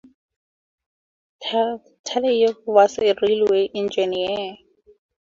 Tuleyev was a railway engineer.